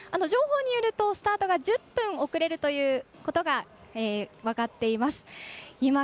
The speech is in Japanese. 情報によるとスタートが１０分遅れるということが分かっています。